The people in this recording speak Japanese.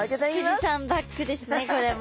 富士山バックですねこれも。